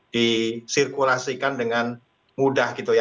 disirkulasikan dengan mudah gitu ya